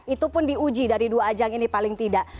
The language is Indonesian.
itu pun diuji dari dua ajang ini paling tidak